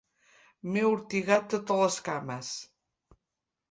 M'he ortigat totes les cames.